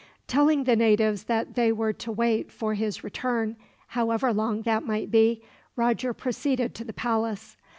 Telling the natives that they were to wait for his return, however long that might be, Roger proceeded to the palace.